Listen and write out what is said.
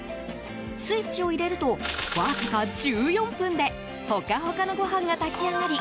スイッチを入れるとわずか１４分でホカホカのご飯が炊き上がり